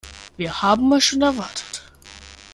Wir haben euch schon erwartet.